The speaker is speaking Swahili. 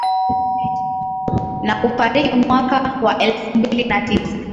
Na kufariki mwaka wa elfu mbili na tisa